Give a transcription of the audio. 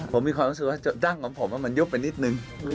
ผมมีความรู้สึกว่าดั้งของผมมันยุบไปนิดนึง